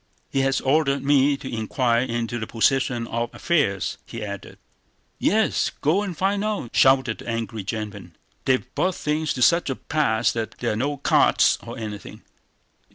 "He has ordered me to inquire into the position of affairs," he added. "Yes, go and find out!" shouted the angry gentleman. "They've brought things to such a pass that there are no carts or anything!...